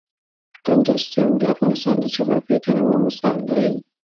کندز سیند د افغانستان د جغرافیوي تنوع مثال دی.